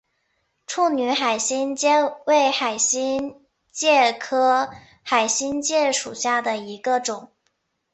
处女海星介为海星介科海星介属下的一个种。